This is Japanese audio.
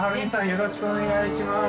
よろしくお願いします。